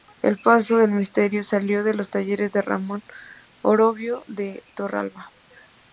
El paso del misterio salió de los talleres de Ramón Orovio de Torralba.